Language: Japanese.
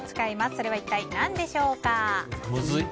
それは一体何でしょう？